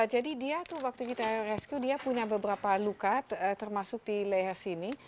jadi dia waktu kita rescue dia punya beberapa lukat termasuk di leher sini